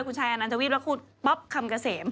กุฏองท่านอันดาวิทย์ป๊อกคามกระเสม